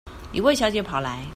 一位小姐跑來